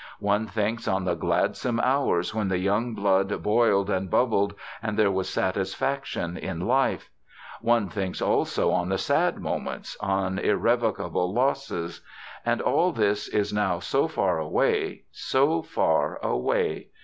One thinks on the gladsome hours when the young blood boiled and bubbled and there was satisfaction in life. One thinks also on the sad moments, on irrevocable losses. And all this is now so far away, so far away.